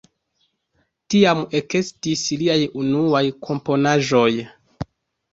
Tiam ekestis liaj unuaj komponaĵoj.